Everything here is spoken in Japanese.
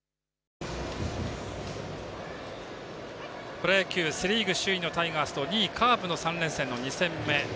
プロ野球セ・リーグ首位のタイガースと２位、カープの３連戦の２戦目。